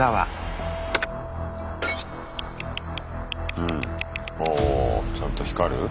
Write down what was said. うんおおおちゃんと光る？